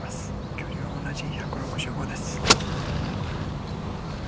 距離は同じ１６５です。